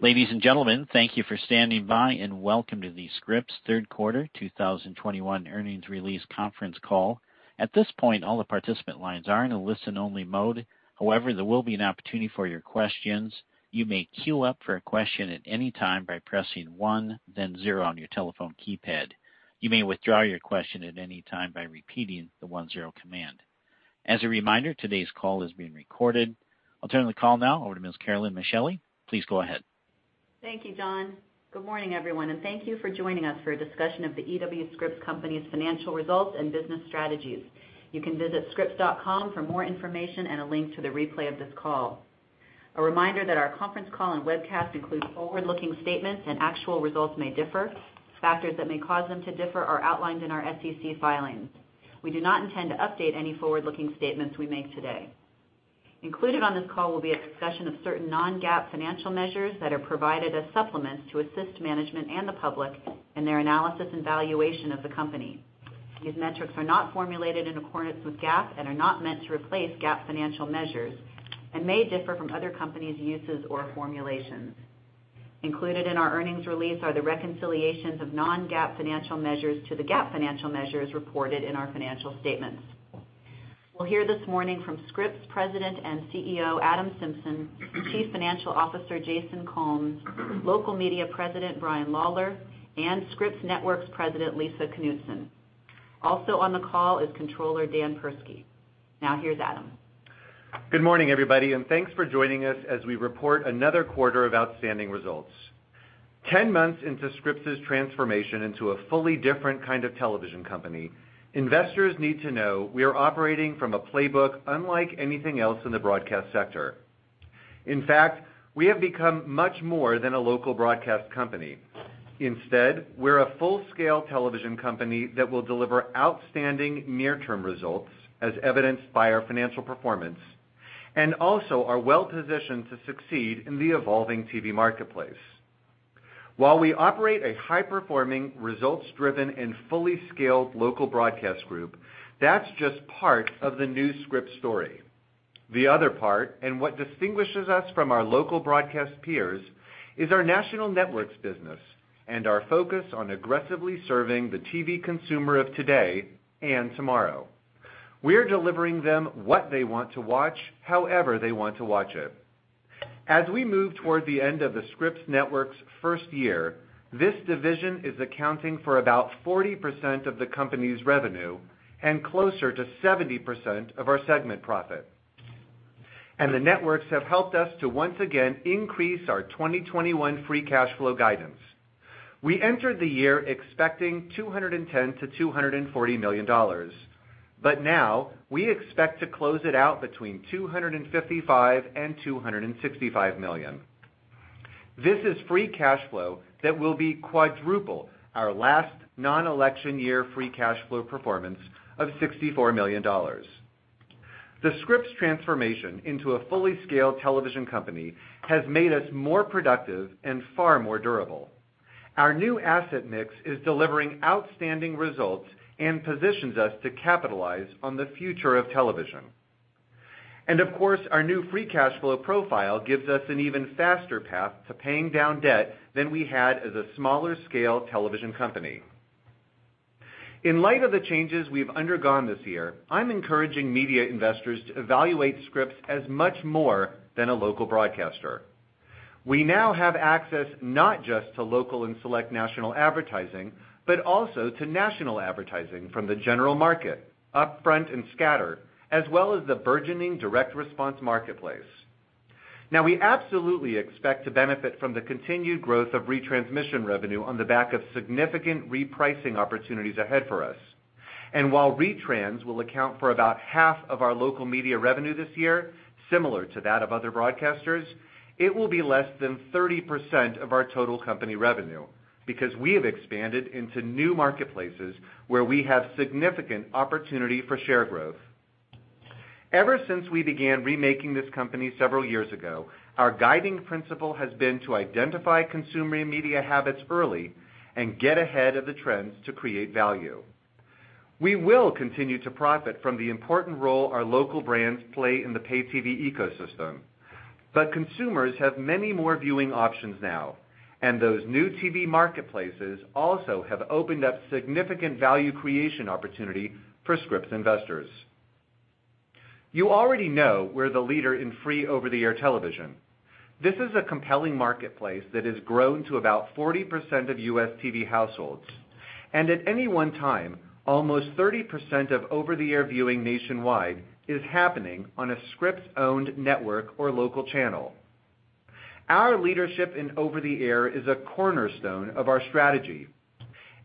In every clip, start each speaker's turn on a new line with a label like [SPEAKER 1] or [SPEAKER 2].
[SPEAKER 1] Ladies and gentlemen, thank you for standing by and welcome to the Scripps Q3 2021 earnings release conference call. At this point, all the participant lines are in a listen-only mode. However, there will be an opportunity for your questions. You may queue up for a question at any time by pressing one then zero on your telephone keypad. You may withdraw your question at any time by repeating the one zero command. As a reminder, today's call is being recorded. I'll turn the call now over to Ms. Carolyn Micheli. Please go ahead.
[SPEAKER 2] Thank you, John. Good morning, everyone, and thank you for joining us for a discussion of the E.W. Scripps Company's financial results and business strategies. You can visit scripps.com for more information and a link to the replay of this call. A reminder that our conference call and webcast includes forward-looking statements and actual results may differ. Factors that may cause them to differ are outlined in our SEC filings. We do not intend to update any forward-looking statements we make today. Included on this call will be a discussion of certain non-GAAP financial measures that are provided as supplements to assist management and the public in their analysis and valuation of the company. These metrics are not formulated in accordance with GAAP and are not meant to replace GAAP financial measures and may differ from other companies' uses or formulations. Included in our earnings release are the reconciliations of non-GAAP financial measures to the GAAP financial measures reported in our financial statements. We'll hear this morning from Scripps President and CEO, Adam Symson, Chief Financial Officer, Jason Combs, Local Media President, Brian Lawlor, and Scripps Networks President, Lisa Knutson. Also on the call is Controller Dan Perschke. Now here's Adam.
[SPEAKER 3] Good morning, everybody, and thanks for joining us as we report another quarter of outstanding results. Ten months into Scripps' transformation into a fully different kind of television company, investors need to know we are operating from a playbook unlike anything else in the broadcast sector. In fact, we have become much more than a local broadcast company. Instead, we're a full-scale television company that will deliver outstanding near-term results as evidenced by our financial performance, and also are well-positioned to succeed in the evolving TV marketplace. While we operate a high-performing, results-driven, and fully scaled local broadcast group, that's just part of the new Scripps story. The other part, and what distinguishes us from our local broadcast peers, is our national networks business and our focus on aggressively serving the TV consumer of today and tomorrow. We're delivering them what they want to watch, however they want to watch it. As we move toward the end of the Scripps Networks' first year, this division is accounting for about 40% of the company's revenue and closer to 70% of our segment profit. The networks have helped us to once again increase our 2021 free cash flow guidance. We entered the year expecting $210 million-$240 million, but now we expect to close it out between $255 million-$265 million. This is free cash flow that will be quadruple our last non-election year free cash flow performance of $64 million. The Scripps transformation into a fully scaled television company has made us more productive and far more durable. Our new asset mix is delivering outstanding results and positions us to capitalize on the future of television. Of course, our new free cash flow profile gives us an even faster path to paying down debt than we had as a smaller scale television company. In light of the changes we've undergone this year, I'm encouraging media investors to evaluate Scripps as much more than a local broadcaster. We now have access not just to local and select national advertising, but also to national advertising from the general market, upfront and scatter, as well as the burgeoning direct response marketplace. Now, we absolutely expect to benefit from the continued growth of retransmission revenue on the back of significant repricing opportunities ahead for us. While retrans will account for about 1/2 of our Local Media revenue this year, similar to that of other broadcasters, it will be less than 30% of our total company revenue because we have expanded into new marketplaces where we have significant opportunity for share growth. Ever since we began remaking this company several years ago, our guiding principle has been to identify consumer media habits early and get ahead of the trends to create value. We will continue to profit from the important role our local brands play in the pay TV ecosystem, but consumers have many more viewing options now, and those new TV marketplaces also have opened up significant value creation opportunity for Scripps investors. You already know we're the leader in free over-the-air television. This is a compelling marketplace that has grown to about 40% of U.S. TV households. At any one time, almost 30% of over-the-air viewing nationwide is happening on a Scripps-owned network or local channel. Our leadership in over-the-air is a cornerstone of our strategy.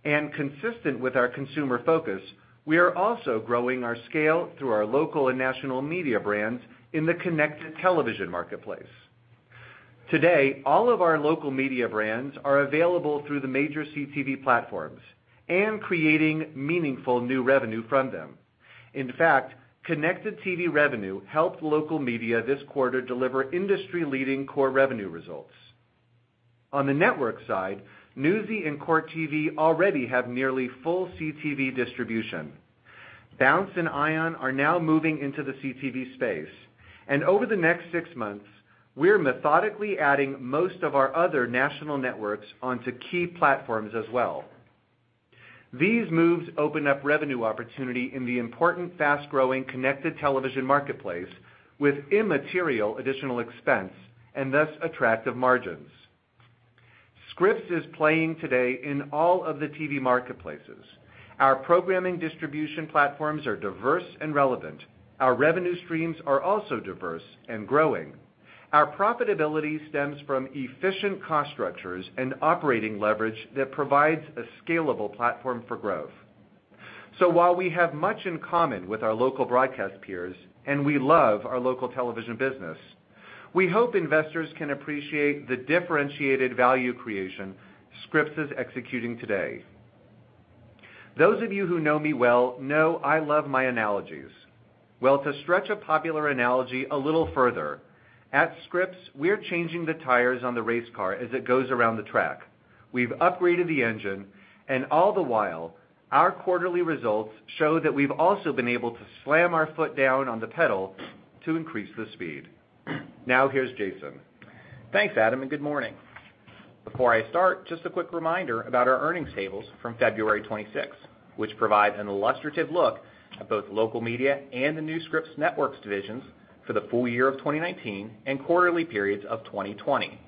[SPEAKER 3] Consistent with our consumer focus, we are also growing our scale through our Local Media and national media brands in the connected television marketplace. Today, all of our Local Media brands are available through the major CTV platforms and creating meaningful new revenue from them. In fact, connected TV revenue helped Local Media this quarter deliver industry-leading core revenue results. On the network side, Newsy and Court TV already have nearly full CTV distribution. Bounce and Ion are now moving into the CTV space, and over the next six months, we're methodically adding most of our other national networks onto key platforms as well. These moves open up revenue opportunity in the important fast-growing connected television marketplace with immaterial additional expense and thus attractive margins. Scripps is playing today in all of the TV marketplaces. Our programming distribution platforms are diverse and relevant. Our revenue streams are also diverse and growing. Our profitability stems from efficient cost structures and operating leverage that provides a scalable platform for growth. While we have much in common with our local broadcast peers, and we love our local television business, we hope investors can appreciate the differentiated value creation Scripps is executing today. Those of you who know me well know I love my analogies. Well, to stretch a popular analogy a little further, at Scripps, we're changing the tires on the race car as it goes around the track. We've upgraded the engine, and all the while, our quarterly results show that we've also been able to slam our foot down on the pedal to increase the speed. Now here's Jason.
[SPEAKER 4] Thanks, Adam Symson, and good morning. Before I start, just a quick reminder about our earnings tables from February 26th, which provide an illustrative look at both Local Media and the new Scripps Networks divisions for the full year of 2019 and quarterly periods of 2020.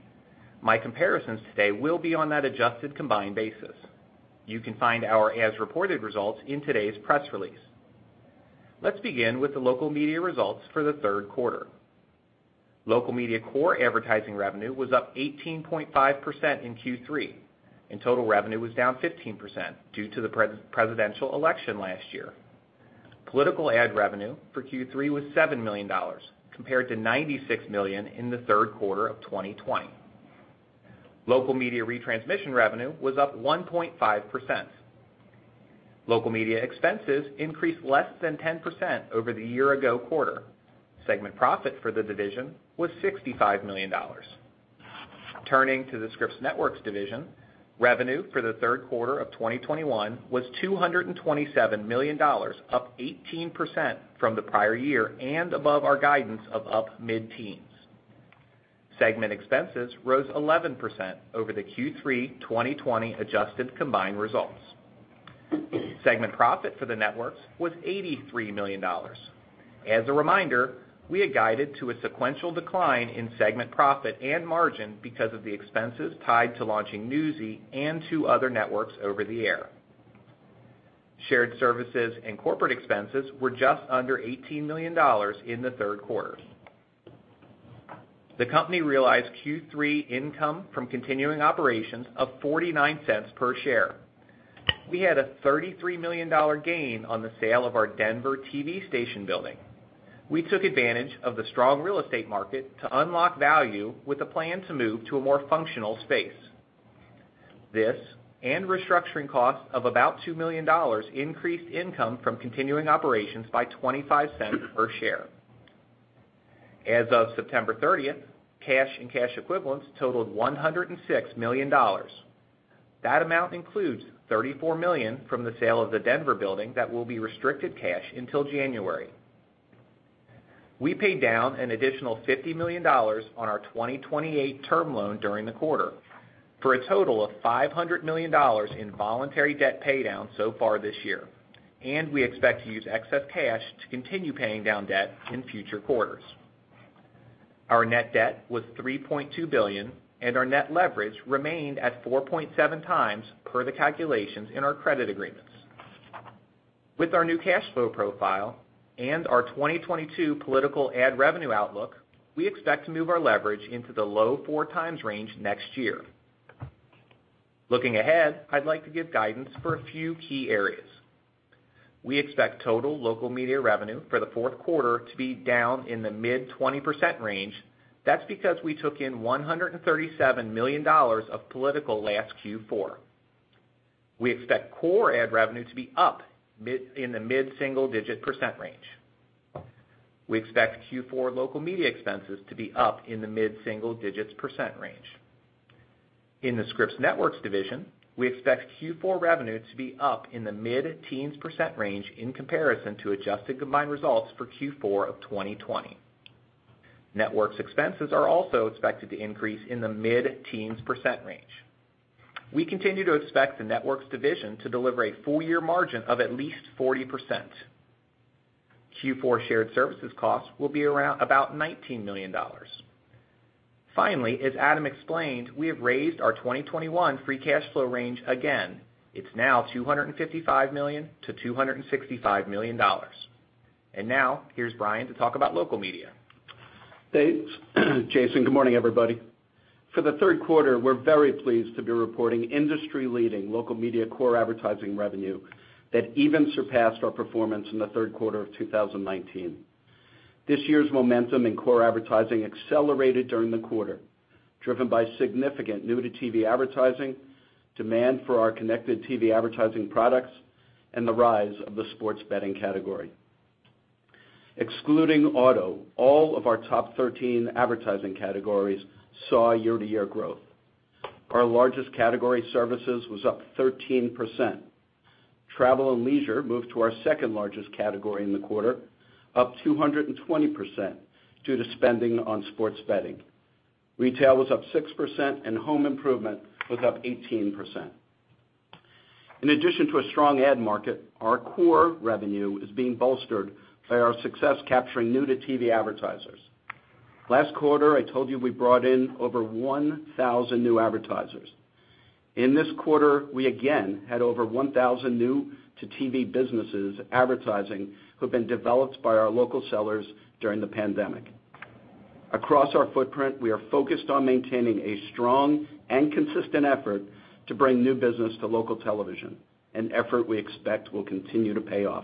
[SPEAKER 4] My comparisons today will be on that adjusted combined basis. You can find our as-reported results in today's press release. Let's begin with the Local Media results for the Q3. Local Media core advertising revenue was up 18.5% in Q3, and total revenue was down 15% due to the presidential election last year. Political ad revenue for Q3 was $7 million, compared to $96 million in the Q3 of 2020. Local Media retransmission revenue was up 1.5%. Local Media expenses increased less than 10% over the year-ago quarter. Segment profit for the division was $65 million. Turning to the Scripps Networks division, revenue for the Q3 of 2021 was $227 million, up 18% from the prior year and above our guidance of up mid-teens. Segment expenses rose 11% over the Q3 2020 adjusted combined results. Segment profit for the networks was $83 million. As a reminder, we had guided to a sequential decline in segment profit and margin because of the expenses tied to launching Newsy and two other networks over-the-air. Shared services and corporate expenses were just under $18 million in the Q3. The company realized Q3 income from continuing operations of $0.49 per share. We had a $33 million gain on the sale of our Denver TV station building. We took advantage of the strong real estate market to unlock value with a plan to move to a more functional space. This and restructuring costs of about $2 million increased income from continuing operations by $0.25 per share. As of September 30th, cash and cash equivalents totaled $106 million. That amount includes $34 million from the sale of the Denver building that will be restricted cash until January. We paid down an additional $50 million on our 2028 term loan during the quarter for a total of $500 million in voluntary debt pay down so far this year, and we expect to use excess cash to continue paying down debt in future quarters. Our net debt was $3.2 billion, and our net leverage remained at 4.7x per the calculations in our credit agreements. With our new cash flow profile and our 2022 political ad revenue outlook, we expect to move our leverage into the low 4x range next year. Looking ahead, I'd like to give guidance for a few key areas. We expect total Local Media revenue for the Q4 to be down in the mid-20% range. That's because we took in $137 million of political last Q4. We expect core ad revenue to be up in the mid-single-digit percent range. We expect Q4 Local Media expenses to be up in the mid-single-digit percent range. In the Scripps Networks division, we expect Q4 revenue to be up in the mid-teens percent range in comparison to adjusted combined results for Q4 of 2020. Networks expenses are also expected to increase in the mid-teens percent range. We continue to expect the Networks division to deliver a full-year margin of at least 40%. Q4 shared services costs will be around about $19 million. Finally, as Adam explained, we have raised our 2021 free cash flow range again. It's now $255 million-$265 million. Now here's Brian to talk about Local Media.
[SPEAKER 5] Thanks, Jason. Good morning, everybody. For the Q3, we're very pleased to be reporting industry-leading Local Media core advertising revenue that even surpassed our performance in the Q3 of 2019. This year's momentum in core advertising accelerated during the quarter, driven by significant new-to-TV advertising, demand for our connected TV advertising products, and the rise of the sports betting category. Excluding auto, all of our top 13 advertising categories saw year-to-year growth. Our largest category services was up 13%. Travel and leisure moved to our second-largest category in the quarter, up 220% due to spending on sports betting. Retail was up 6% and home improvement was up 18%. In addition to a strong ad market, our core revenue is being bolstered by our success capturing new-to-TV advertisers. Last quarter, I told you we brought in over 1,000 new advertisers. In this quarter, we again had over 1,000 new-to-TV businesses advertising who have been developed by our local sellers during the pandemic. Across our footprint, we are focused on maintaining a strong and consistent effort to bring new business to local television, an effort we expect will continue to pay off.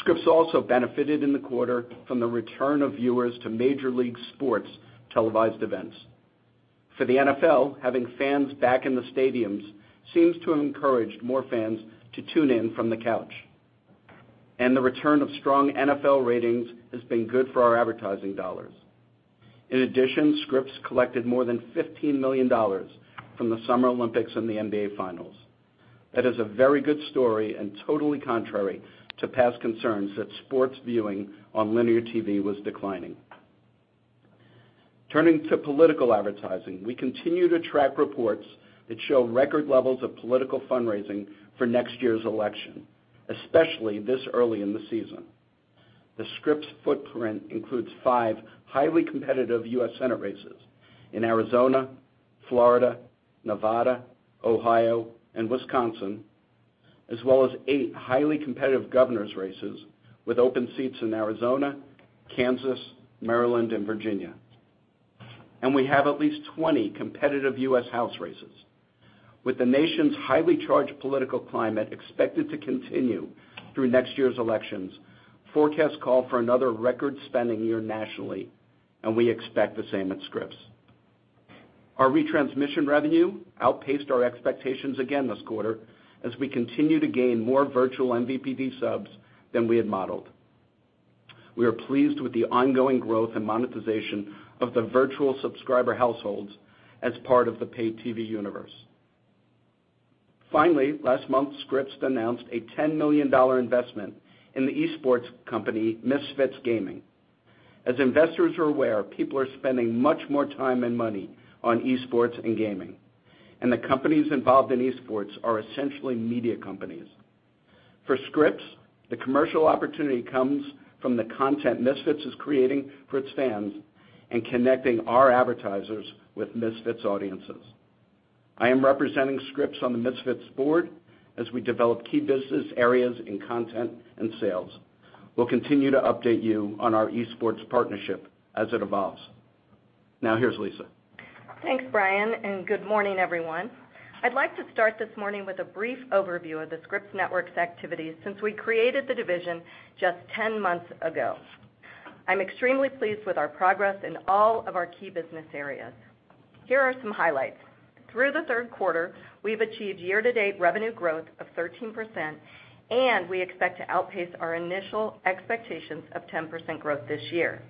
[SPEAKER 5] Scripps also benefited in the quarter from the return of viewers to Major League sports televised events. For the NFL, having fans back in the stadiums seems to have encouraged more fans to tune in from the couch, and the return of strong NFL ratings has been good for our advertising dollars. In addition, Scripps collected more than $15 million from the Summer Olympics and the NBA Finals. That is a very good story and totally contrary to past concerns that sports viewing on linear TV was declining. Turning to political advertising, we continue to track reports that show record levels of political fundraising for next year's election, especially this early in the season. The Scripps footprint includes five highly competitive U.S. Senate races in Arizona, Florida, Nevada, Ohio, and Wisconsin, as well as eight highly competitive governor's races with open seats in Arizona, Kansas, Maryland, and Virginia. We have at least 20 competitive U.S. House races. With the nation's highly charged political climate expected to continue through next year's elections, forecasts call for another record spending year nationally, and we expect the same at Scripps. Our retransmission revenue outpaced our expectations again this quarter as we continue to gain more virtual MVPD subs than we had modeled. We are pleased with the ongoing growth and monetization of the virtual subscriber households as part of the paid TV universe. Finally, last month, Scripps announced a $10 million investment in the esports company, Misfits Gaming. As investors are aware, people are spending much more time and money on esports and gaming, and the companies involved in esports are essentially media companies. For Scripps, the commercial opportunity comes from the content Misfits is creating for its fans and connecting our advertisers with Misfits' audiences. I am representing Scripps on the Misfits board as we develop key business areas in content and sales. We'll continue to update you on our esports partnership as it evolves. Now, here's Lisa.
[SPEAKER 6] Thanks, Brian, and good morning, everyone. I'd like to start this morning with a brief overview of the Scripps Networks activities since we created the division just 10 months ago. I'm extremely pleased with our progress in all of our key business areas. Here are some highlights. Through the Q3, we've achieved year-to-date revenue growth of 13%, and we expect to outpace our initial expectations of 10% growth this year.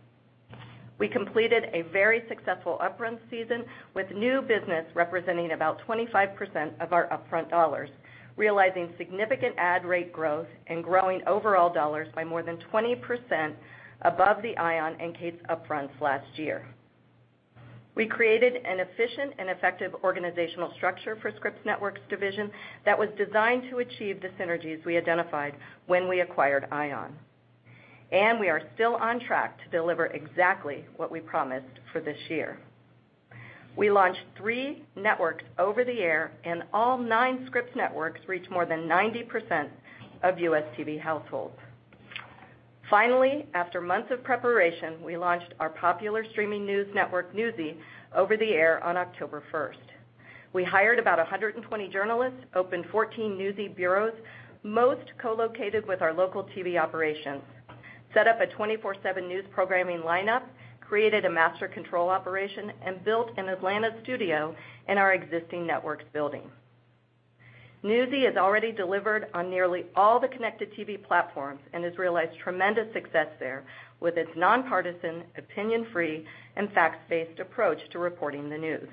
[SPEAKER 6] We completed a very successful upfront season with new business representing about 25% of our upfront dollars, realizing significant ad rate growth and growing overall dollars by more than 20% above the ION and Katz upfronts last year. We created an efficient and effective organizational structure for Scripps Networks division that was designed to achieve the synergies we identified when we acquired ION, and we are still on track to deliver exactly what we promised for this year. We launched three networks over the air, and all nine Scripps networks reach more than 90% of U.S. TV households. Finally, after months of preparation, we launched our popular streaming news network, Newsy, over the air on October 1st. We hired about 120 journalists, opened 14 Newsy bureaus, most co-located with our local TV operations, set up a 24/7 news programming lineup, created a master control operation, and built an Atlanta studio in our existing networks building. Newsy has already delivered on nearly all the connected TV platforms and has realized tremendous success there with its nonpartisan, opinion-free, and fact-based approach to reporting the news.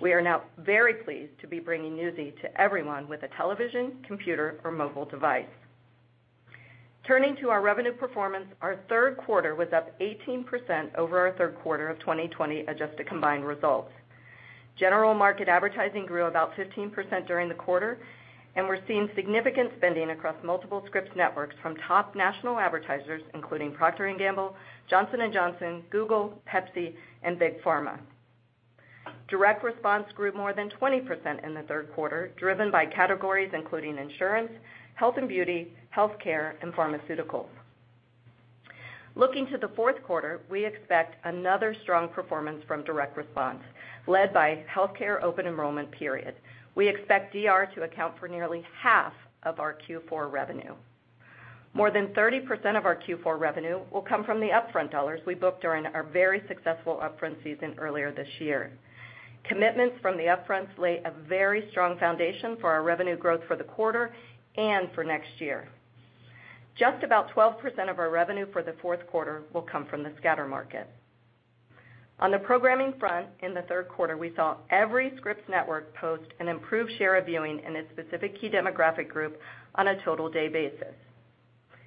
[SPEAKER 6] We are now very pleased to be bringing Newsy to everyone with a television, computer, or mobile device. Turning to our revenue performance, our Q3 was up 18% over our Q3 of 2020 adjusted combined results. General market advertising grew about 15% during the quarter, and we're seeing significant spending across multiple Scripps networks from top national advertisers, including Procter & Gamble, Johnson & Johnson, Google, Pepsi, and Big Pharma. Direct response grew more than 20% in the Q3, driven by categories including insurance, health and beauty, healthcare, and pharmaceuticals. Looking to the Q4, we expect another strong performance from direct response, led by healthcare open enrollment period. We expect DR to account for nearly 1/2 of our Q4 revenue. More than 30% of our Q4 revenue will come from the upfront dollars we booked during our very successful upfront season earlier this year. Commitments from the upfronts lay a very strong foundation for our revenue growth for the quarter and for next year. Just about 12% of our revenue for the Q4 will come from the scatter market. On the programming front, in the Q3, we saw every Scripps network post an improved share of viewing in its specific key demographic group on a total day basis.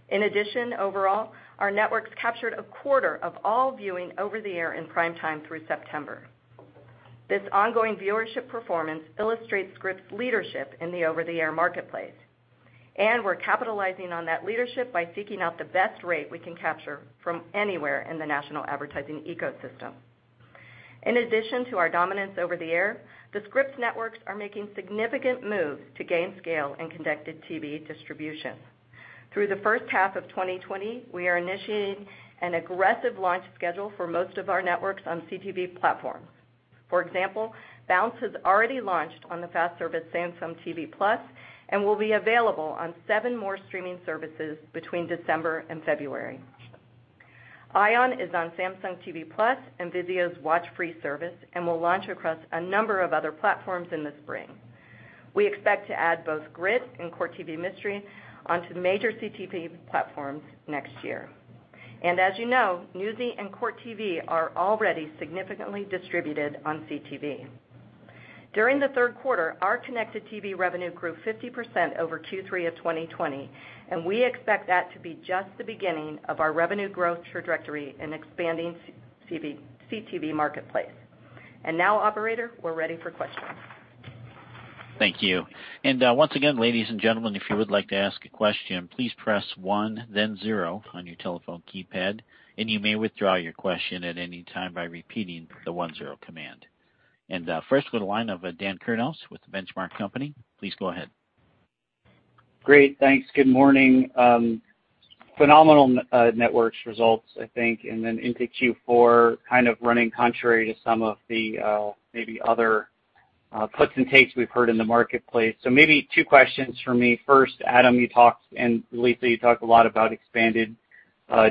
[SPEAKER 6] In addition, overall, our networks captured a quarter of all viewing over-the-air in prime time through September. This ongoing viewership performance illustrates Scripps leadership in the over-the-air marketplace, and we're capitalizing on that leadership by seeking out the best rate we can capture from anywhere in the national advertising ecosystem. In addition to our dominance over-the-air, the Scripps networks are making significant moves to gain scale in connected TV distribution. Through the H1 of 2020, we are initiating an aggressive launch schedule for most of our networks on CTV platforms. For example, Bounce has already launched on the FAST service Samsung TV Plus and will be available on seven more streaming services between December and February. ION is on Samsung TV Plus and VIZIO's WatchFree+ service and will launch across a number of other platforms in the spring. We expect to add both Grit and Court TV Mystery onto major CTV platforms next year. As you know, Newsy and Court TV are already significantly distributed on CTV. During the Q3, our connected TV revenue grew 50% over Q3 of 2020, and we expect that to be just the beginning of our revenue growth trajectory in expanding CTV marketplace. Now, operator, we're ready for questions.
[SPEAKER 1] Thank you. Once again, ladies and gentlemen, if you would like to ask a question, please press one then zero on your telephone keypad, and you may withdraw your question at any time by repeating the one zero command. First for the line of Dan Kurnos with The Benchmark Company, please go ahead.
[SPEAKER 7] Great. Thanks. Good morning. Phenomenal networks results, I think, and then into Q4, kind of running contrary to some of the maybe other puts and takes we've heard in the marketplace. Maybe two questions for me. First, Adam, you talked, and Lisa, you talked a lot about expanded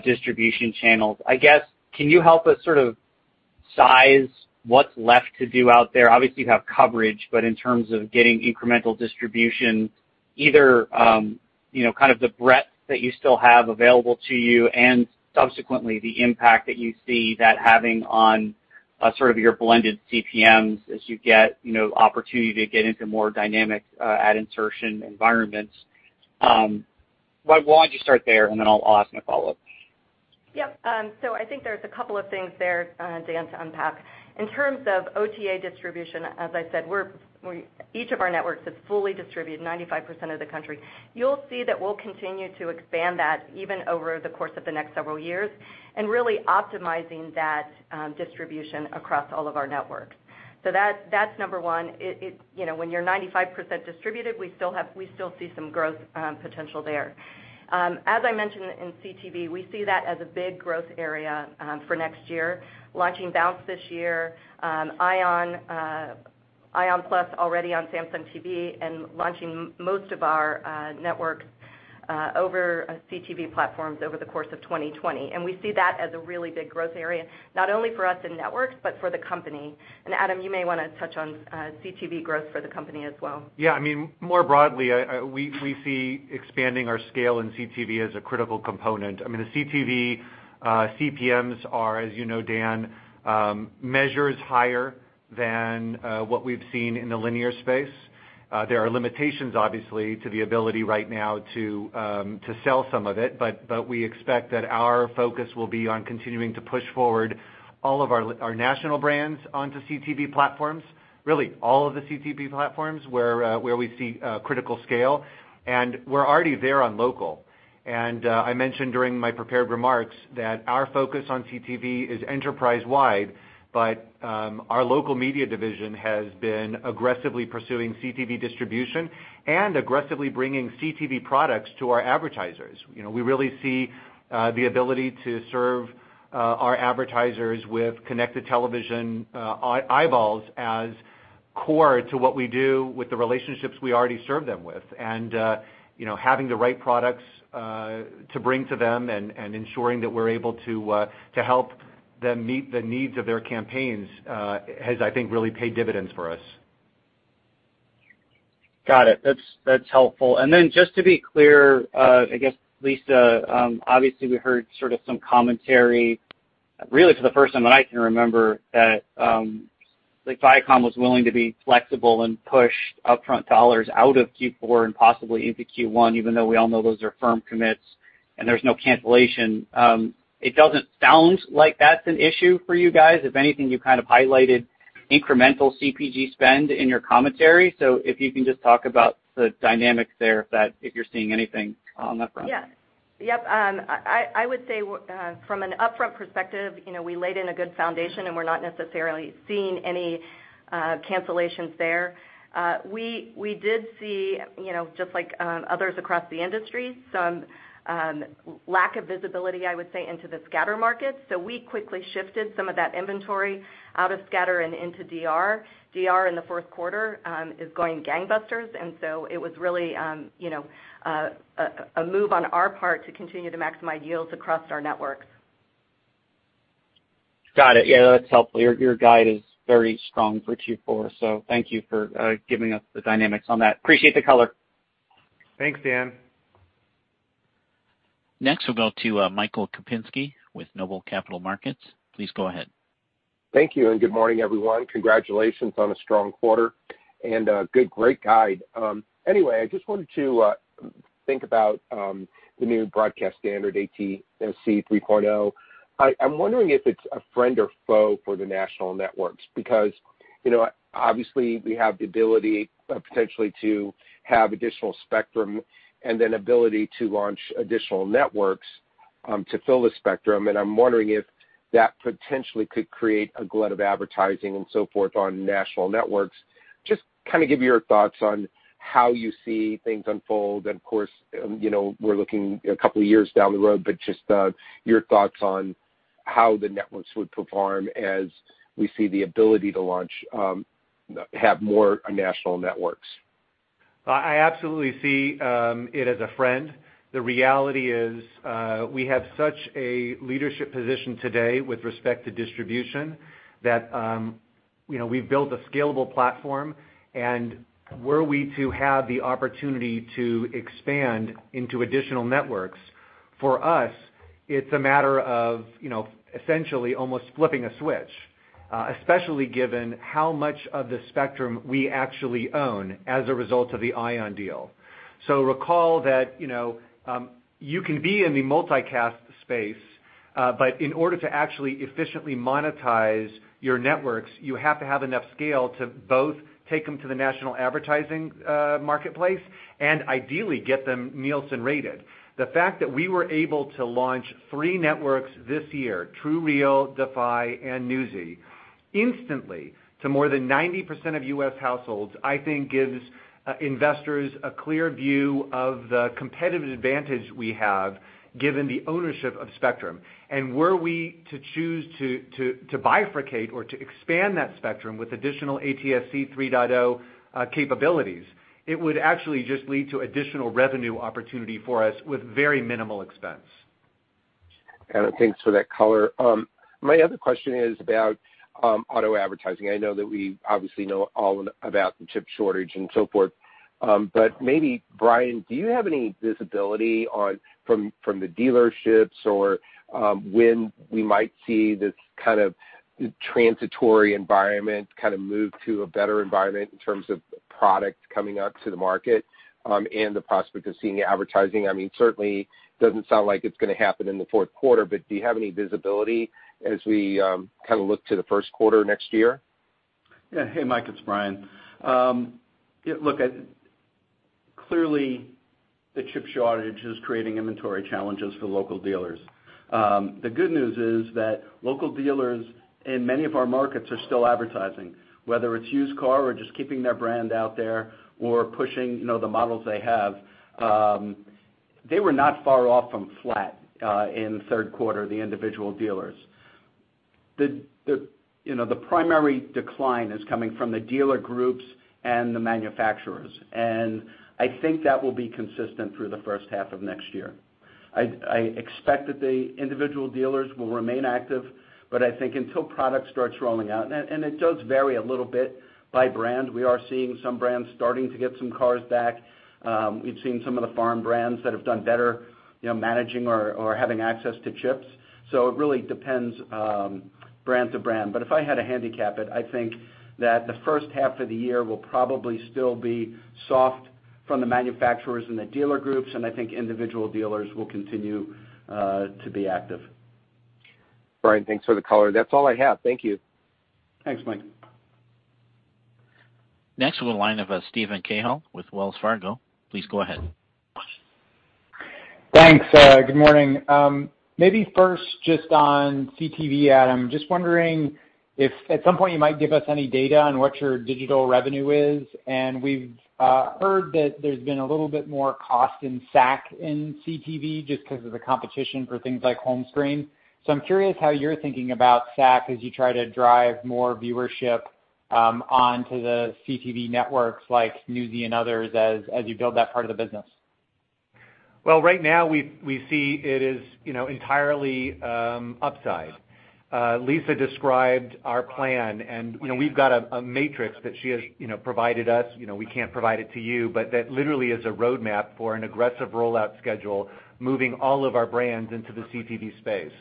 [SPEAKER 7] distribution channels. I guess, can you help us sort of size what's left to do out there? Obviously, you have coverage, but in terms of getting incremental distribution, either, you know, kind of the breadth that you still have available to you and subsequently the impact that you see that having on sort of your blended CPMs as you get, you know, opportunity to get into more dynamic ad insertion environments. Why don't you start there, and then I'll ask my follow-up.
[SPEAKER 6] Yep. I think there's a couple of things there, Dan, to unpack. In terms of OTA distribution, as I said, we each of our networks is fully distributed 95% of the country. You'll see that we'll continue to expand that even over the course of the next several years and really optimizing that, distribution across all of our networks. That, that's number one. You know, when you're 95% distributed, we still see some growth potential there. As I mentioned in CTV, we see that as a big growth area for next year, launching Bounce this year, ION Plus already on Samsung TV and launching most of our networks over CTV platforms over the course of 2020. We see that as a really big growth area, not only for us in networks, but for the company. Adam, you may wanna touch on CTV growth for the company as well.
[SPEAKER 3] Yeah. I mean, more broadly, we see expanding our scale in CTV as a critical component. I mean, the CTV CPMs are, as you know, Dan, measures higher than what we've seen in the linear space. There are limitations, obviously, to the ability right now to sell some of it, but we expect that our focus will be on continuing to push forward all of our our national brands onto CTV platforms, really all of the CTV platforms where we see critical scale. We're already there on local. I mentioned during my prepared remarks that our focus on CTV is enterprise-wide, but our Local Media division has been aggressively pursuing CTV distribution and aggressively bringing CTV products to our advertisers. You know, we really see the ability to serve our advertisers with connected television eyeballs as core to what we do with the relationships we already serve them with. You know, having the right products to bring to them and ensuring that we're able to help them meet the needs of their campaigns has, I think, really paid dividends for us.
[SPEAKER 7] Got it. That's helpful. Then just to be clear, I guess, Lisa, obviously, we heard sort of some commentary, really for the first time that I can remember, that like ViacomCBS was willing to be flexible and push upfront dollars out of Q4 and possibly into Q1, even though we all know those are firm commits and there's no cancellation. It doesn't sound like that's an issue for you guys. If anything, you kind of highlighted incremental CPG spend in your commentary. If you can just talk about the dynamics there, if you're seeing anything on that front.
[SPEAKER 6] Yeah. Yep. I would say from an upfront perspective, you know, we laid in a good foundation, and we're not necessarily seeing any cancellations there. We did see, you know, just like others across the industry, some lack of visibility, I would say, into the scatter market. We quickly shifted some of that inventory out of scatter and into DR. DR in the Q4 is going gangbusters. It was really, you know, a move on our part to continue to maximize yields across our networks.
[SPEAKER 7] Got it. Yeah, that's helpful. Your guide is very strong for Q4, so thank you for giving us the dynamics on that. Appreciate the color.
[SPEAKER 3] Thanks, Dan.
[SPEAKER 1] Next, we'll go to, Michael Kupinski with Noble Capital Markets. Please go ahead.
[SPEAKER 8] Thank you, and good morning, everyone. Congratulations on a strong quarter and good, great guide. Anyway, I just wanted to think about the new broadcast standard ATSC 3.0. I'm wondering if it's a friend or foe for the national networks because, you know, obviously we have the ability potentially to have additional spectrum and an ability to launch additional networks to fill the spectrum. I'm wondering if that potentially could create a glut of advertising and so forth on national networks. Just kind of give your thoughts on how you see things unfold. Of course, you know, we're looking a couple of years down the road, but just your thoughts on how the networks would perform as we see the ability to launch have more national networks.
[SPEAKER 3] I absolutely see it as a friend. The reality is, we have such a leadership position today with respect to distribution that, you know, we've built a scalable platform. Were we to have the opportunity to expand into additional networks, for us, it's a matter of, you know, essentially almost flipping a switch, especially given how much of the spectrum we actually own as a result of the ION deal. Recall that, you know, you can be in the multicast space, but in order to actually efficiently monetize your networks, you have to have enough scale to both take them to the national advertising marketplace and ideally get them Nielsen-rated. The fact that we were able to launch three networks this year, TrueReal, Defy and Newsy, instantly to more than 90% of U.S. households, I think gives investors a clear view of the competitive advantage we have given the ownership of spectrum. Were we to choose to bifurcate or to expand that spectrum with additional ATSC 3.0 capabilities, it would actually just lead to additional revenue opportunity for us with very minimal expense.
[SPEAKER 8] Adam, thanks for that color. My other question is about auto advertising. I know that we obviously know all about the chip shortage and so forth, but maybe, Brian, do you have any visibility on, from the dealerships or, when we might see this kind of transitory environment kind of move to a better environment in terms of product coming out to the market, and the prospect of seeing advertising? I mean, certainly doesn't sound like it's gonna happen in the Q4, but do you have any visibility as we kind of look to the Q1 next year?
[SPEAKER 5] Yeah. Hey, Mike, it's Brian. Yeah, look, clearly the chip shortage is creating inventory challenges for local dealers. The good news is that local dealers in many of our markets are still advertising, whether it's used car or just keeping their brand out there or pushing, you know, the models they have. They were not far off from flat in the Q3, the individual dealers. The, you know, the primary decline is coming from the dealer groups and the manufacturers. I think that will be consistent through the H1 of next year. I expect that the individual dealers will remain active, but I think until product starts rolling out, and it does vary a little bit by brand. We are seeing some brands starting to get some cars back.
[SPEAKER 3] We've seen some of the foreign brands that have done better, you know, managing or having access to chips. It really depends, brand to brand. If I had to handicap it, I think that the H1 of the year will probably still be soft from the manufacturers and the dealer groups, and I think individual dealers will continue to be active.
[SPEAKER 8] Brian, thanks for the color. That's all I have. Thank you.
[SPEAKER 5] Thanks, Mike.
[SPEAKER 1] Next, we'll go to the line of Steven Cahall with Wells Fargo. Please go ahead.
[SPEAKER 9] Thanks. Good morning. Maybe first just on CTV, Adam, just wondering if at some point you might give us any data on what your digital revenue is. We've heard that there's been a little bit more cost in SAC in CTV just 'cause of the competition for things like home screen. I'm curious how you're thinking about SAC as you try to drive more viewership onto the CTV networks like Newsy and others as you build that part of the business.
[SPEAKER 3] Well, right now we see it as, you know, entirely upside. Lisa described our plan and, you know, we've got a matrix that she has, you know, provided us, you know, we can't provide it to you, but that literally is a roadmap for an aggressive rollout schedule, moving all of our brands into the CTV space.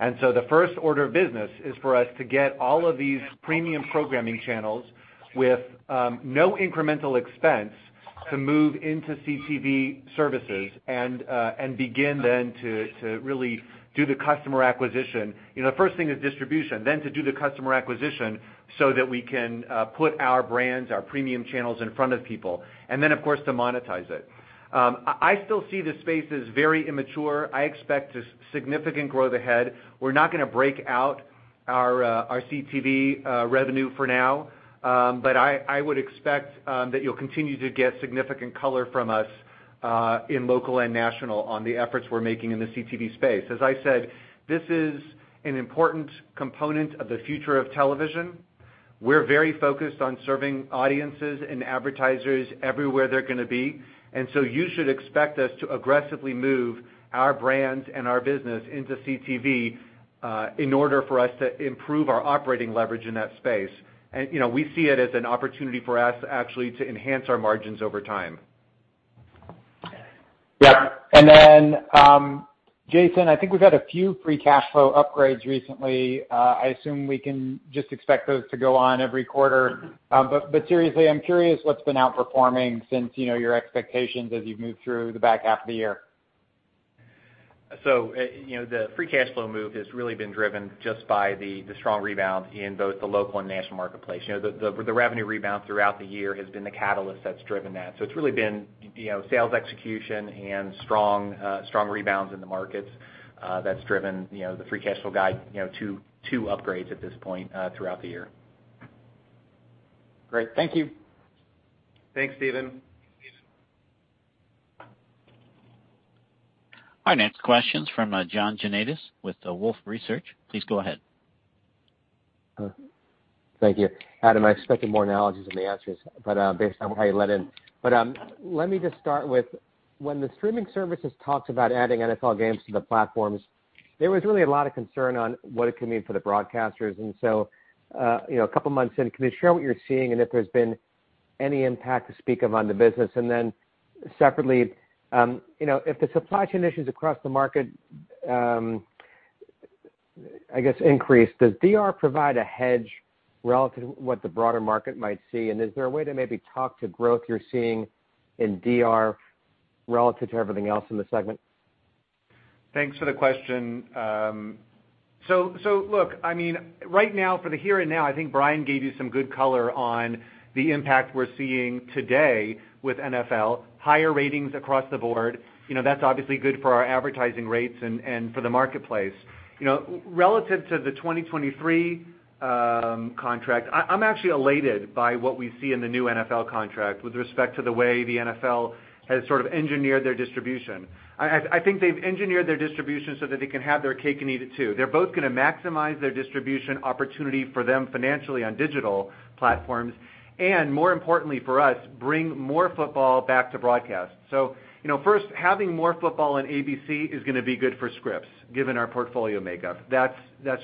[SPEAKER 3] The first order of business is for us to get all of these premium programming channels with no incremental expense to move into CTV services and begin then to really do the customer acquisition. You know, the first thing is distribution, then to do the customer acquisition so that we can put our brands, our premium channels in front of people, and then, of course, to monetize it. I still see this space as very immature. I expect significant growth ahead. We're not gonna break out our CTV revenue for now. But I would expect that you'll continue to get significant color from us in local and national on the efforts we're making in the CTV space. As I said, this is an important component of the future of television. We're very focused on serving audiences and advertisers everywhere they're gonna be. You should expect us to aggressively move our brands and our business into CTV in order for us to improve our operating leverage in that space. You know, we see it as an opportunity for us actually to enhance our margins over time.
[SPEAKER 9] Yeah. Jason, I think we've had a few free cash flow upgrades recently. I assume we can just expect those to go on every quarter. Seriously, I'm curious what's been outperforming since, you know, your expectations as you've moved through the back 1/2 of the year.
[SPEAKER 4] You know, the free cash flow move has really been driven just by the strong rebound in both the local and national marketplace. You know, the revenue rebound throughout the year has been the catalyst that's driven that. It's really been, you know, sales execution and strong rebounds in the markets, that's driven, you know, the free cash flow guide, you know, two upgrades at this point throughout the year.
[SPEAKER 9] Great. Thank you.
[SPEAKER 3] Thanks, Steven.
[SPEAKER 1] Our next question's from John Janedis with Wolfe Research. Please go ahead.
[SPEAKER 10] Thank you. Adam, I expected more analogies in the answers, but, based on how you led in. Let me just start with, when the streaming services talked about adding NFL games to the platforms, there was really a lot of concern on what it could mean for the broadcasters. You know, a couple months in, can you share what you're seeing and if there's been any impact to speak of on the business? Separately, you know, if the supply chain issues across the market, I guess increase, does DR provide a hedge relative to what the broader market might see? Is there a way to maybe talk to growth you're seeing in DR relative to everything else in the segment?
[SPEAKER 3] Thanks for the question. So look, I mean, right now, for the here and now, I think Brian gave you some good color on the impact we're seeing today with NFL. Higher ratings across the board. You know, that's obviously good for our advertising rates and for the marketplace. You know, relative to the 2023 contract, I'm actually elated by what we see in the new NFL contract with respect to the way the NFL has sort of engineered their distribution. I think they've engineered their distribution so that they can have their cake and eat it too. They're both gonna maximize their distribution opportunity for them financially on digital platforms, and more importantly for us, bring more football back to broadcast. You know, first, having more football on ABC is gonna be good for Scripps, given our portfolio makeup. That's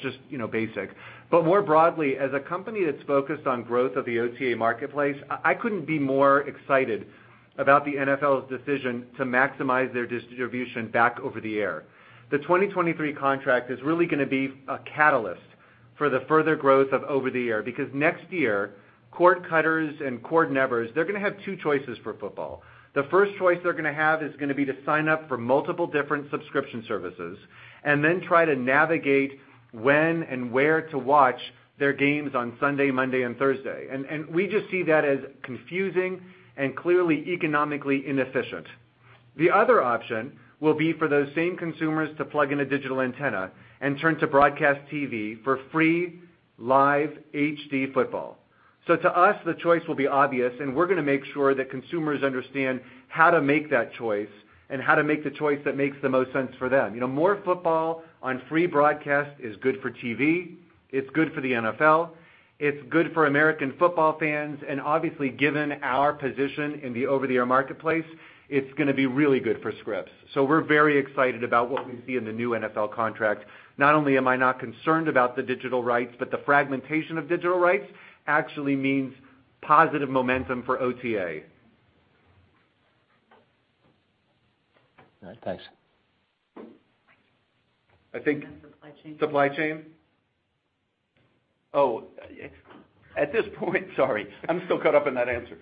[SPEAKER 3] just, you know, basic. More broadly, as a company that's focused on growth of the OTA marketplace, I couldn't be more excited about the NFL's decision to maximize their distribution back over the air. The 2023 contract is really gonna be a catalyst for the further growth of over the air, because next year, cord cutters and cord nevers, they're gonna have two choices for football. The first choice they're gonna have is gonna be to sign up for multiple different subscription services, and then try to navigate when and where to watch their games on Sunday, Monday and Thursday. We just see that as confusing and clearly economically inefficient. The other option will be for those same consumers to plug in a digital antenna and turn to broadcast TV for free live HD football. To us, the choice will be obvious, and we're gonna make sure that consumers understand how to make that choice and how to make the choice that makes the most sense for them. You know, more football on free broadcast is good for TV, it's good for the NFL, it's good for American football fans, and obviously, given our position in the over-the-air marketplace, it's gonna be really good for Scripps. We're very excited about what we see in the new NFL contract. Not only am I not concerned about the digital rights, but the fragmentation of digital rights actually means positive momentum for OTA.
[SPEAKER 10] All right. Thanks.
[SPEAKER 3] I think-
[SPEAKER 6] Supply chain.
[SPEAKER 5] Oh, at this point. Sorry, I'm still caught up in that answer.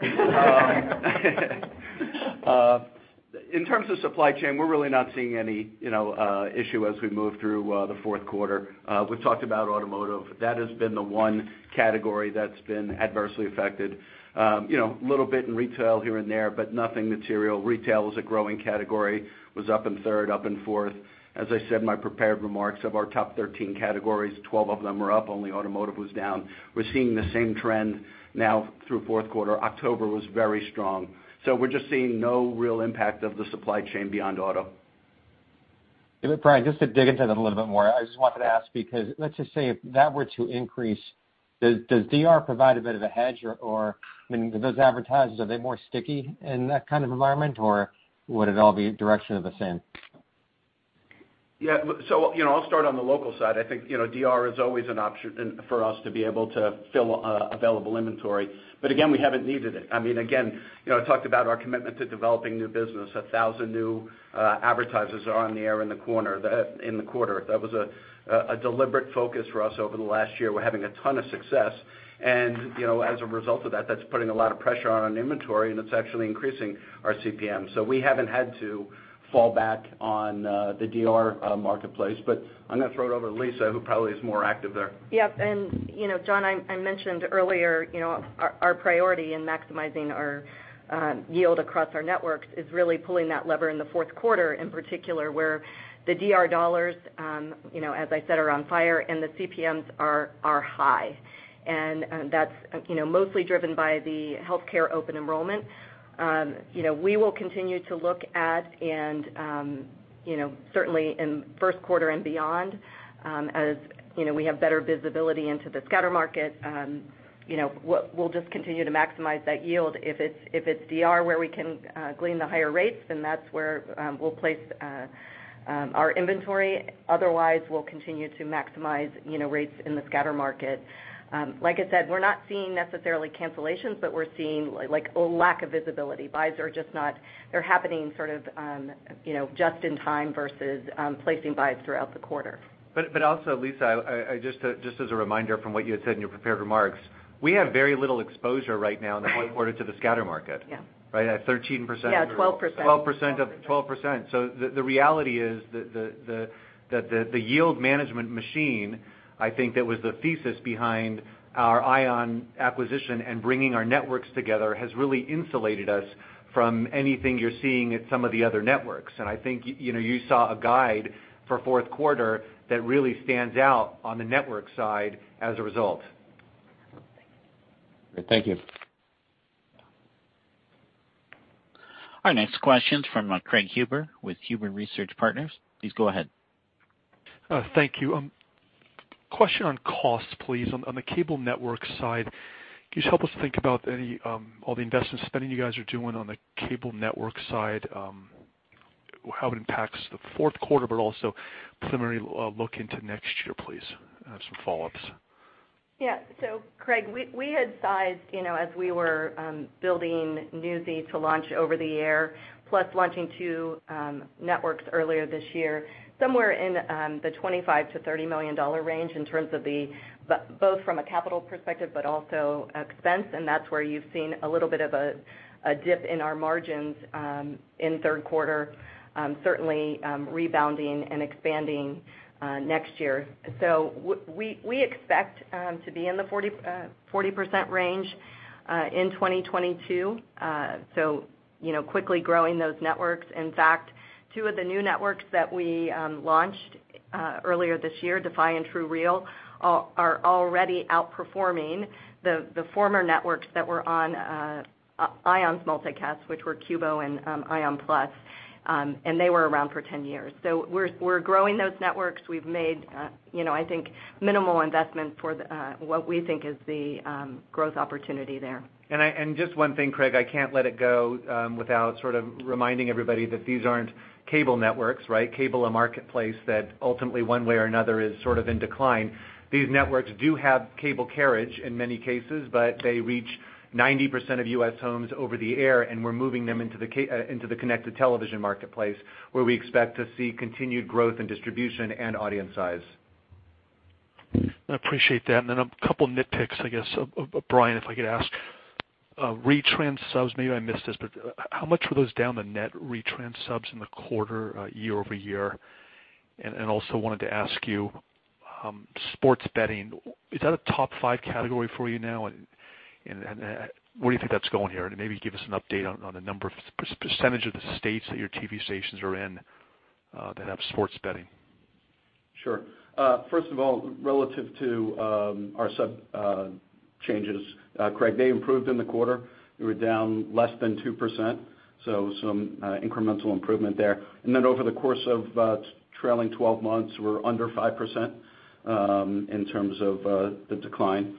[SPEAKER 5] In terms of supply chain, we're really not seeing any, you know, issue as we move through the Q4. We've talked about automotive. That has been the one category that's been adversely affected. You know, little bit in retail here and there, but nothing material. Retail was a growing category. Was up in third, up in fourth. As I said in my prepared remarks, of our top 13 categories, 12 of them were up, only automotive was down. We're seeing the same trend now through Q4. October was very strong. We're just seeing no real impact of the supply chain beyond auto.
[SPEAKER 10] Yeah, Brian, just to dig into that a little bit more, I just wanted to ask because let's just say if that were to increase, does DR provide a bit of a hedge or, I mean, those advertisers, are they more sticky in that kind of environment, or would it all be directionally sensitive?
[SPEAKER 5] Yeah. You know, I'll start on the local side. I think, you know, DR is always an option and for us to be able to fill available inventory. But again, we haven't needed it. I mean, again, you know, I talked about our commitment to developing new business. 1,000 new advertisers are on the air in the quarter. That was a deliberate focus for us over the last year. We're having a ton of success. And, you know, as a result of that's putting a lot of pressure on our inventory, and it's actually increasing our CPM. So we haven't had to fall back on the DR marketplace. But I'm gonna throw it over to Lisa, who probably is more active there.
[SPEAKER 6] Yep. You know, John, I mentioned earlier, you know, our priority in maximizing our yield across our networks is really pulling that lever in the Q4 in particular, where the DR dollars, you know, as I said, are on fire and the CPMs are high. That's you know, mostly driven by the healthcare open enrollment. You know, we will continue to look at and you know, certainly in Q1 and beyond, as you know, we have better visibility into the scatter market, you know, we'll just continue to maximize that yield. If it's DR where we can glean the higher rates, then that's where we'll place our inventory. Otherwise, we'll continue to maximize, you know, rates in the scatter market. Like I said, we're not seeing necessarily cancellations, but we're seeing like a lack of visibility. Buyers are just not, they're happening sort of, you know, just in time versus placing buys throughout the quarter.
[SPEAKER 5] Also Lisa, just as a reminder from what you had said in your prepared remarks, we have very little exposure right now in the Q4 to the scatter market.
[SPEAKER 6] Yeah.
[SPEAKER 5] Right? At 13%-
[SPEAKER 6] Yeah, 12%.
[SPEAKER 5] 12%. The reality is that the yield management machine, I think that was the thesis behind our ION acquisition and bringing our networks together, has really insulated us from anything you're seeing at some of the other networks. I think you know you saw a guide for Q4 that really stands out on the network side as a result.
[SPEAKER 6] Thank you.
[SPEAKER 5] Thank you.
[SPEAKER 1] Our next question's from Craig Huber with Huber Research Partners. Please go ahead.
[SPEAKER 11] Thank you. Question on costs, please. On the cable network side, can you just help us think about any, all the investment spending you guys are doing on the cable network side, how it impacts the Q4, but also preliminary look into next year, please. I have some follow-ups.
[SPEAKER 6] Yeah. Craig, we had sized, you know, as we were building Newsy to launch over the air, plus launching two networks earlier this year, somewhere in the $25 million-$30 million range in terms of both from a capital perspective, but also expense. That's where you've seen a little bit of a dip in our margins in Q3, certainly rebounding and expanding next year. We expect to be in the 40% range in 2022. You know, quickly growing those networks. In fact, two of the new networks that we launched earlier this year, Defy and TrueReal are already outperforming the former networks that were on ION's multicast, which were Qubo and ION Plus. They were around for 10 years. We're growing those networks. We've made, you know, I think minimal investments for what we think is the growth opportunity there.
[SPEAKER 5] Just one thing, Craig, I can't let it go without sort of reminding everybody that these aren't cable networks, right? Cable, a marketplace that ultimately one way or another is sort of in decline. These networks do have cable carriage in many cases, but they reach 90% of U.S. homes over the air, and we're moving them into the connected television marketplace, where we expect to see continued growth in distribution and audience size.
[SPEAKER 11] I appreciate that. A couple nitpicks, I guess, Brian, if I could ask. Retrans subs, maybe I missed this, but how much were those down, the net retrans subs in the quarter, year-over-year? Where do you think that's going here? Maybe give us an update on the percentage of the states that your TV stations are in, that have sports betting.
[SPEAKER 5] Sure. First of all, relative to our sub changes, Craig, they improved in the quarter. We were down less than 2%, so some incremental improvement there. Then over the course of trailing 12 months, we're under 5% in terms of the decline.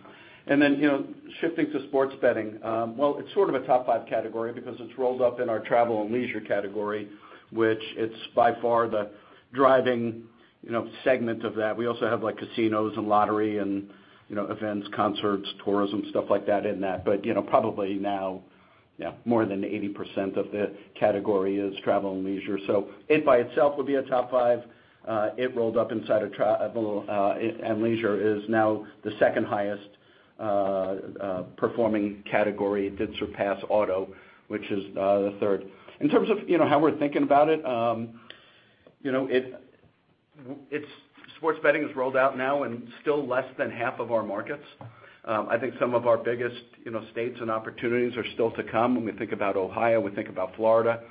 [SPEAKER 5] You know, shifting to sports betting, well, it's sort of a top five category because it's rolled up in our travel and leisure category, which it's by far the driving, you know, segment of that. We also have like casinos and lottery and, you know, events, concerts, tourism, stuff like that in that. You know, probably now, yeah, more than 80% of the category is travel and leisure. It by itself would be a top five. It rolled up inside of travel and leisure is now the second highest performing category. It did surpass auto, which is the third. In terms of, you know, how we're thinking about it, you know, sports betting is rolled out now in still less than 1/2 of our markets. I think some of our biggest, you know, states and opportunities are still to come. When we think about Ohio, we think about Florida,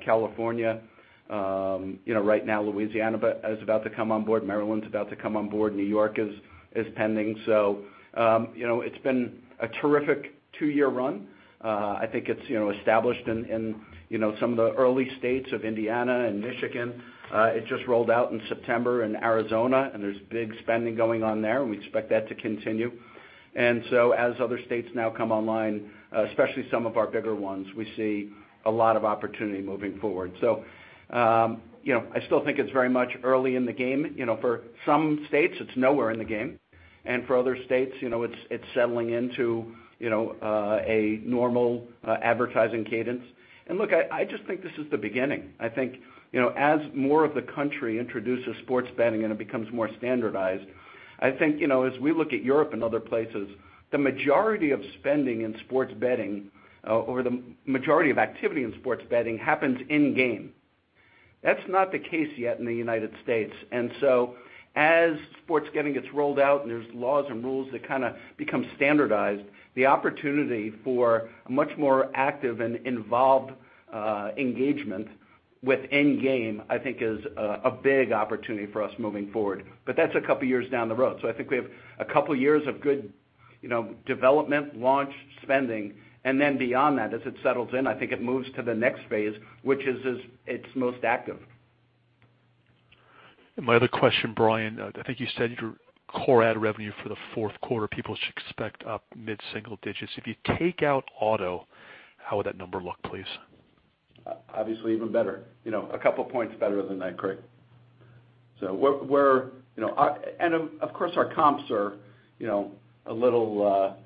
[SPEAKER 5] California, you know, right now Louisiana is about to come on board, Maryland's about to come on board, New York is pending. You know, it's been a terrific two-year run. I think it's, you know, established in you know, some of the early states of Indiana and Michigan. It just rolled out in September in Arizona, and there's big spending going on there, and we expect that to continue. As other states now come online, especially some of our bigger ones, we see a lot of opportunity moving forward. You know, I still think it's very much early in the game. You know, for some states, it's nowhere in the game. For other states, you know, it's settling into, you know, a normal, advertising cadence. Look, I just think this is the beginning. I think, you know, as more of the country introduces sports betting and it becomes more standardized, I think, you know, as we look at Europe and other places, the majority of spending in sports betting, or the majority of activity in sports betting happens in-game. That's not the case yet in the United States. As sports betting gets rolled out, and there's laws and rules that kind of become standardized, the opportunity for a much more active and involved engagement with in-game, I think is a big opportunity for us moving forward. That's a couple years down the road. I think we have a couple years of good, you know, development, launch, spending, and then beyond that, as it settles in, I think it moves to the next phase, which is its most active.
[SPEAKER 11] My other question, Brian, I think you said your core ad revenue for the Q4, people should expect up mid-single digits. If you take out auto, how would that number look, please?
[SPEAKER 5] Obviously even better. You know, a couple points better than that, Craig. We're, you know. Of course, our comps are, you know, a little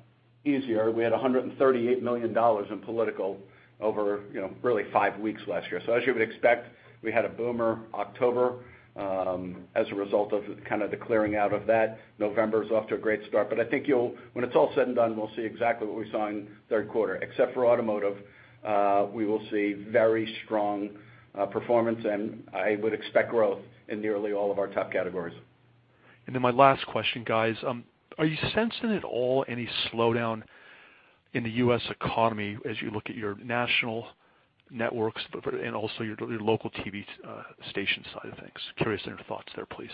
[SPEAKER 5] easier. We had $138 million in political over, you know, really five weeks last year. As you would expect, we had a boomer October as a result of kind of the clearing out of that. November is off to a great start. I think you'll, when it's all said and done, we'll see exactly what we saw in Q3. Except for automotive, we will see very strong performance, and I would expect growth in nearly all of our top categories.
[SPEAKER 11] My last question, guys, are you sensing at all any slowdown in the U.S. economy as you look at your national networks and also your local TV station side of things? Curious on your thoughts there, please.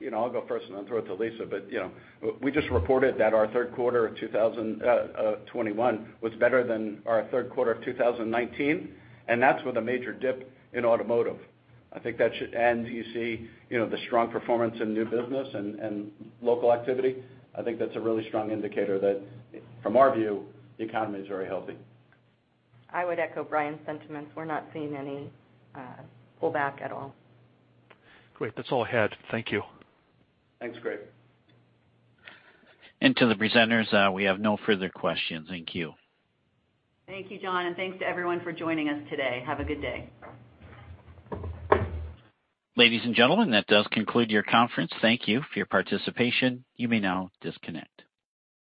[SPEAKER 5] You know, I'll go first and then throw it to Lisa. You know, we just reported that our Q3 of 2021 was better than our Q3 of 2019, and that's with a major dip in automotive. I think and you see, you know, the strong performance in new business and local activity. I think that's a really strong indicator that, from our view, the economy is very healthy.
[SPEAKER 6] I would echo Brian's sentiments. We're not seeing any pullback at all.
[SPEAKER 11] Great. That's all I had. Thank you.
[SPEAKER 5] Thanks, Craig.
[SPEAKER 1] To the presenters, we have no further questions. Thank you.
[SPEAKER 6] Thank you, John, and thanks to everyone for joining us today. Have a good day.
[SPEAKER 1] Ladies and gentlemen, that does conclude your conference. Thank you for your participation. You may now disconnect.